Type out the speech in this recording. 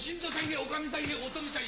おかみさんへ。